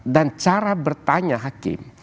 cara bertanya hakim